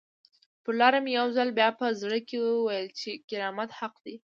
پر لاره مې یو ځل بیا په زړه کې وویل چې کرامت حق دی.